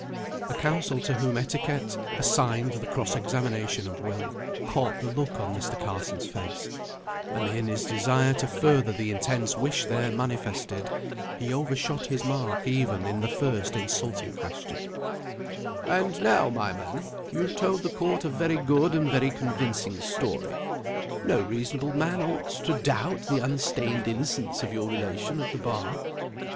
The counsel to whom etiquette assigned the cross examination of Will, caught the look on Mr. Carson's face, and in his desire to further the intense wish there manifested, he over shot his mark even in his first insulting question: "And now, my man, you've told the court a very good and very convincing story; no reasonable man ought to doubt the unstained innocence of your relation at the bar.